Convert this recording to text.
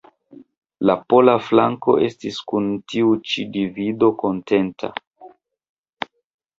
La pola flanko estis kun tiu ĉi divido kontenta.